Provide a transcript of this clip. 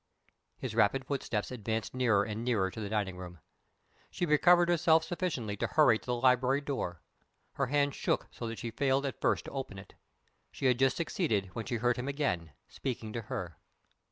His rapid footsteps advanced nearer and nearer to the dining room. She recovered herself sufficiently to hurry to the library door. Her hand shook so that she failed at first to open it. She had just succeeded when she heard him again speaking to her.